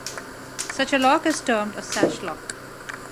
Such a lock is termed a sash lock.